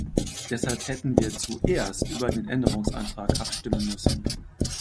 Deshalb hätten wir zuerst über den Änderungsantrag abstimmen müssen.